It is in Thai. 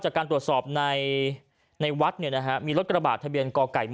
จากการตรวจสอบในในวัดเนี่ยนะฮะมีรถกระบาดทะเบียนก่อไก่มม